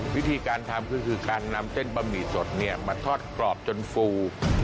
วิธีการทำก็คือการนำเส้นบะหมี่สดมาทอดกรอบจนฟู